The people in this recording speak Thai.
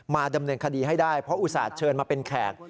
ดำเนินคดีให้ได้เพราะอุตส่าห์เชิญมาเป็นแขก